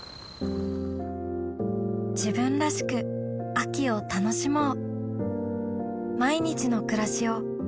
自分らしく秋を楽しもう